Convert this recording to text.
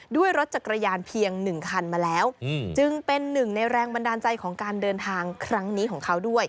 ด้วยรถจักรยานเพียง๑คันมาแล้วจึงเป็นหนึ่งในแรงบันดาลใจของการเดินทางครั้งนี้ของเขาด้วย